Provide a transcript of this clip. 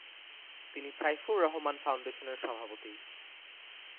তিনি সাইফুর রহমান ফাউন্ডেশনের সভাপতি।